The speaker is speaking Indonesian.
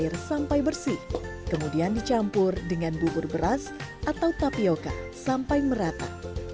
air sampai bersih kemudian dicampur dengan bubur beras atau tapioca sampai merata